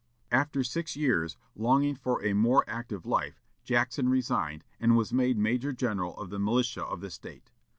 After six years, longing for a more active life, Jackson resigned, and was made major general of the militia of the State.